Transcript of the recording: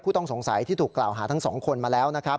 ผู้ต้องสงสัยที่ถูกกล่าวหาทั้ง๒คนมาแล้ว